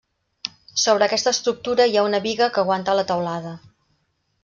Sobre aquesta estructura hi ha una biga que aguanta la teulada.